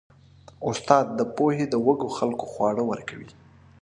استاد د پوهې د وږو خلکو خواړه ورکوي.